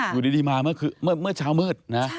อยู่ดีมาเมื่อเช้ามืดนะ